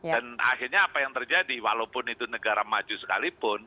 dan akhirnya apa yang terjadi walaupun itu negara maju sekalipun